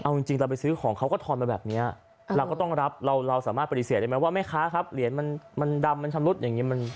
เอาจริงเราไปซื้อของเขาก็ทอนมาแบบนี้เราก็ต้องรับเราสามารถปฏิเสธได้ไหมว่าแม่ค้าครับเหรียญมันดำมันชำรุดอย่างนี้